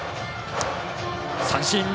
三振。